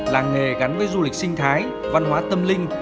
làng nghề gắn với du lịch sinh thái văn hóa tâm linh